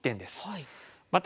また